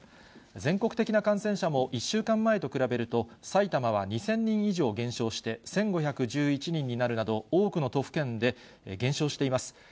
全国的な感染者も１週間前と比べると、埼玉は２０００人以上減少して、１５１１人になるなど、多くの都府県で減少しています。